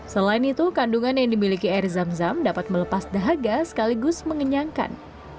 selain itu kandungan yang dimiliki air zam zam dapat melepas dahaga sekaligus mengenyangkan